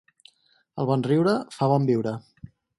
El bon riure fa bon viure.